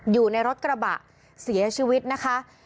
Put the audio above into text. อยู่ในรถกระบะเสียชีวิตนะคะ